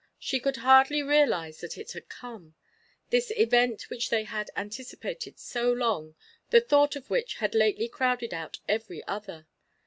She could hardly realize that it had come this event which they had anticipated so long, the thought of which had lately crowded out every other.